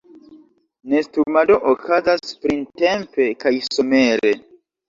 Nestumado okazas printempe kaj somere.